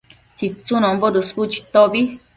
tsitsunombo dësbu chitobi